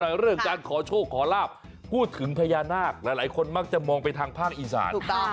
เรื่องการขอโชคขอลาบพูดถึงพญานาคหลายคนมักจะมองไปทางภาคอีสาน